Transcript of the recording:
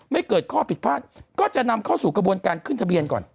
ไม่เกิดข้อผิดพลาดก็จะนำเข้าสู่กระบวนการขึ้นทะเบียนก่อน